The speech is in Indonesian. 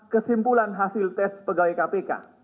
kesimpulan hasil tes pegawai kpk